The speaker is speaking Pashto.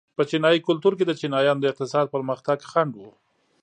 په چینايي کلتور کې د چینایانو د اقتصادي پرمختګ خنډ و.